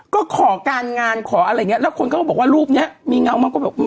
ก็ขอการงานขออะไรอย่างเงี้แล้วคนเขาก็บอกว่ารูปเนี้ยมีเงามั้งก็แบบ